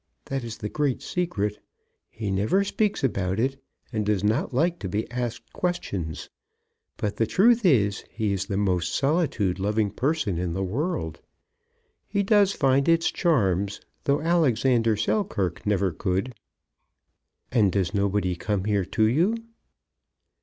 That is the great secret. He never speaks about it, and does not like to be asked questions. But the truth is, he is the most solitude loving person in the world. He does find its charms, though Alexander Selkirk never could." "And does nobody come here to you?"